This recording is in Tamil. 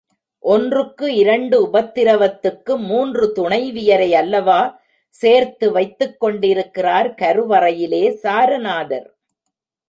ஒன்றுக்கு இரண்டு உபத்திரவத்துக்கு மூன்று துணைவியரை அல்லவா சேர்த்து வைத்துக் கொண்டிருக்கிறார் கருவறையிலே சாரநாதர்.